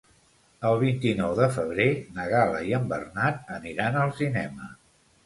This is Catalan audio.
El vint-i-nou de febrer na Gal·la i en Bernat aniran al cinema.